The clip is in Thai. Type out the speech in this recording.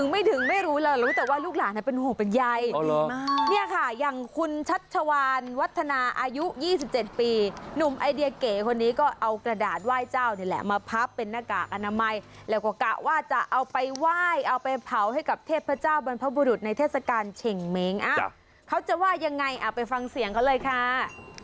ไม่ถึงไม่รู้แล้วรู้แต่ว่าลูกหลานเป็นห่วงเป็นใยดีมากเนี่ยค่ะอย่างคุณชัชวานวัฒนาอายุ๒๗ปีหนุ่มไอเดียเก๋คนนี้ก็เอากระดาษไหว้เจ้านี่แหละมาพับเป็นหน้ากากอนามัยแล้วก็กะว่าจะเอาไปไหว้เอาไปเผาให้กับเทพเจ้าบรรพบุรุษในเทศกาลเฉ่งเม้งเขาจะว่ายังไงเอาไปฟังเสียงเขาเลยค่ะ